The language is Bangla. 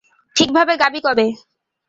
ঠিকভাবে গাবি কবে?